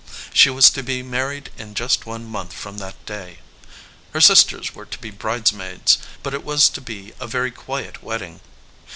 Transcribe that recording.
She was to be married in just one month from that day. Her sisters were to be bridesmaids, but it was to be a very quiet wedding.